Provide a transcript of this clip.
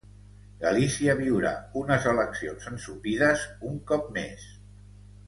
Galícia viurà unes eleccions ensopides un cop més.